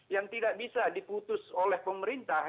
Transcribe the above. yang tidak bisa diputus oleh pemerintah